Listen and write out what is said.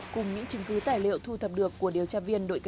cùng những chứng cứ tài liệu thu thập được của điều tra viên đội hai